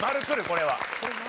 これは。